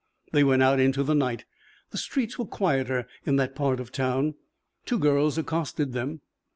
They went out into the night. The streets were quieter in that part of town. Two girls accosted them.